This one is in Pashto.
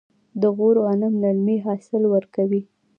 د غور غنم للمي حاصل ورکوي.